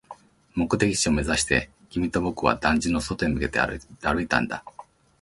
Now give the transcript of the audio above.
目的地を目指して、君と僕は団地の外へ向けて歩いたんだ